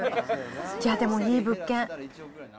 いやでも、いい物件。